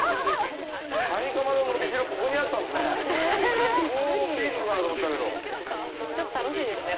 カニカマの伸びしろ、ここにあったんですね。